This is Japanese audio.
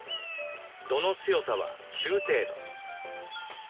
度の強さは中程度。